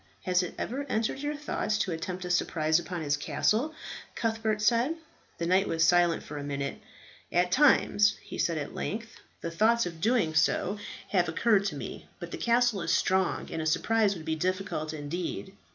"Has it never entered your thoughts to attempt a surprise upon his castle?" Cuthbert said. The knight was silent for a minute. "At times," he said at length, "thoughts of so doing have occurred to me; but the castle is strong, and a surprise would be difficult indeed."